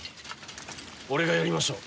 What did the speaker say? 俺がやりましょう。